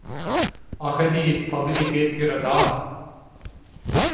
அகதியைப் பகுதி கேட்கிறதா?